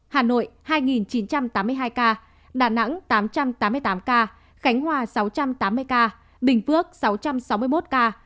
hà nội hai chín trăm tám mươi hai ca đà nẵng tám trăm tám mươi tám ca khánh hòa sáu trăm tám mươi ca bình phước sáu trăm sáu mươi một ca